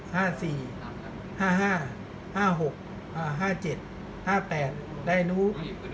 ห้าหกอ่าห้าเจ็ดห้าแปดได้หนู